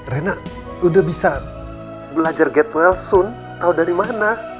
reina udah bisa belajar get well soon tau dari mana